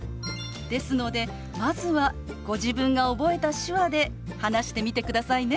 ですのでまずはご自分が覚えた手話で話してみてくださいね。